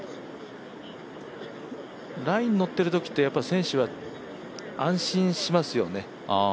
ラインのってるときって選手は安心しますよね。